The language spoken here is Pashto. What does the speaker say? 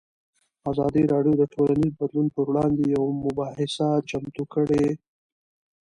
ازادي راډیو د ټولنیز بدلون پر وړاندې یوه مباحثه چمتو کړې.